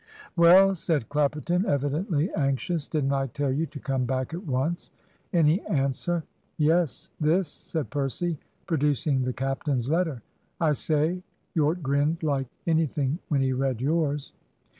"Well," said Clapperton, evidently anxious, "didn't I tell you to come back at once! Any answer?" "Yes, this," said Percy, producing the captain's letter. "I say, Yorke grinned like anything when he read yours."